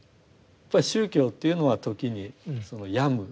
やっぱり宗教っていうのは時に病む。